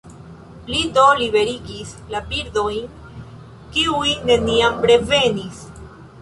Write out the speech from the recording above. Li do liberigis la birdojn, kiuj neniam revenis.